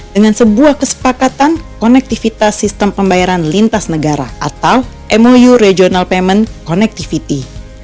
dengan sebuah kesepakatan konektivitas sistem pembayaran lintas negara atau mou regional payment connectivity